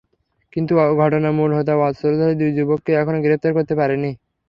কিন্তু ঘটনার মূল হোতা অস্ত্রধারী দুই যুবককে এখনো গ্রেপ্তার করতে পারেনি।